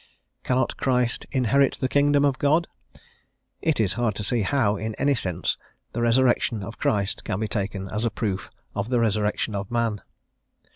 Cannot Christ "inherit the kingdom of God"? It is hard to see how, in any sense, the resurrection of Christ can be taken as a proof of the resurrection of man.